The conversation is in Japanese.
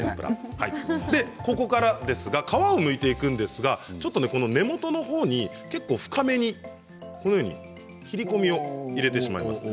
でここからですが皮をむいていくんですがちょっとこの根元の方に結構深めにこのように切り込みを入れてしまいます。